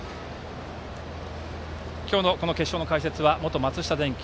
今日の決勝の解説は元松下電器